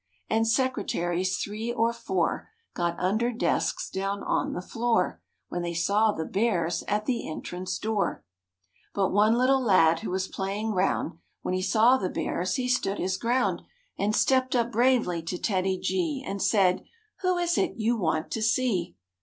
And secretaries, three or four, Got under desks down on the floor When they saw the Bears at the entrance door. But one little lad who was playing round When he saw the Bears, he stood his ground And stepped up bravely to TEDDY G And said, "Who is it you want to see?"